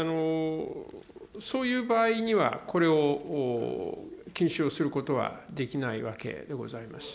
そういう場合にはこれを禁止をすることはできないわけでございます。